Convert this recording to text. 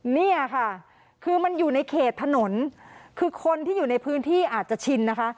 เนี่ยค่ะคือมันอยู่ในเขตถนนคือคนที่อยู่ในพื้นที่อาจจะชินนะคะ